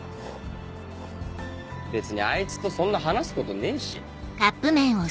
別にあいつとそんな話すことねえし。